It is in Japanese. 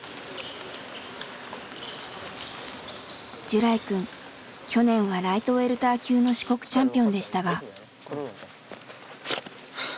ジュライくん去年はライトウェルター級の四国チャンピオンでしたが。